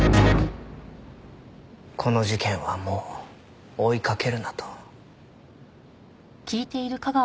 「この事件はもう追いかけるな」と。